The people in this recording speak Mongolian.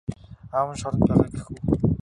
Аав нь шоронд байгаа гэх үү?